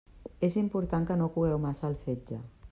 És important que no cogueu massa el fetge.